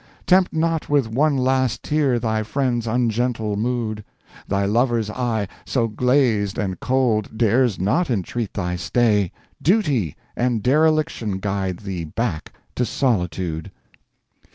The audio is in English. Tempt not with one last tear thy friend's ungentle mood; Thy lover's eye, so glazed and cold, dares not entreat thy stay: Duty and dereliction guide thee back to solitude."